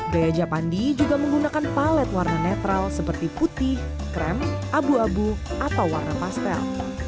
gaya japandi juga menggunakan palet warna netral seperti putih krem abu abu atau warna pastel